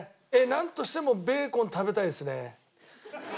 なんとしてもベーコン食べたいですね。